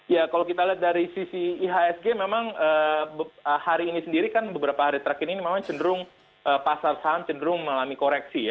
ya kalau kita lihat dari sisi ihsg memang hari ini sendiri kan beberapa hari terakhir ini memang cenderung pasar saham cenderung mengalami koreksi ya